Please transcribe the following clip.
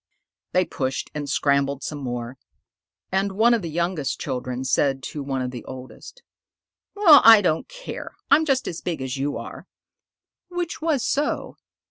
They pushed and scrambled some more, and one of the youngest children said to one of the oldest, "Well, I don't care. I'm just as big as you are" (which was so).